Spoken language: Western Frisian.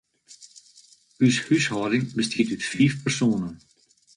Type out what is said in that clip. Us húshâlding bestiet út fiif persoanen.